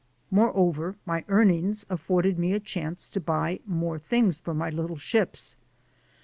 Moreover, my earnings afforded me a chance to buy more things for my little ships.